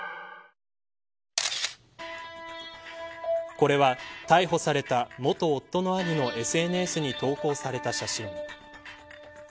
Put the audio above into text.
これは、逮捕された元夫の兄のＳＮＳに投稿された写真。